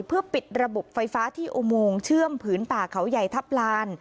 เพื่อปิดระบบไฟฟ้าที่อุโมงเชื่อมผืนป่าเขาใหญ่ทัพลาน